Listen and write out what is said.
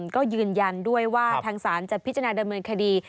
ก็ยืนยันด้วยว่าทางศาลจะพิจารณาดำเนินคดี